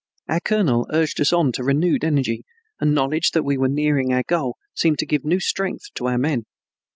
Our colonel urged us on to renewed energy, and knowledge that we were nearing our goal, seemed to give new strength to our men.